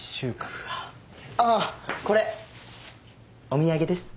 あっこれお土産です。